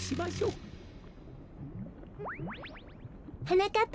はなかっ